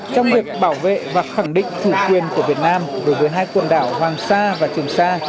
trong việc bảo vệ và khẳng định chủ quyền của việt nam đối với hai quần đảo hoàng sa và trường sa